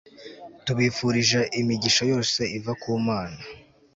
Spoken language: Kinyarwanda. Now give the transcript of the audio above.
tubifurije imigisha yose iva kumana